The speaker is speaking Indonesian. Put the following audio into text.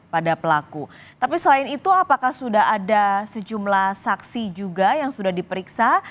pada pelaku tapi selain itu apakah sudah ada sejumlah saksi juga yang sudah diperiksa